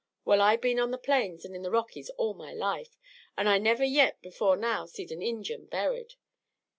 Well, I been on the Plains an' in the Rockies all my life, an' I never yit, before now, seed a Injun buried.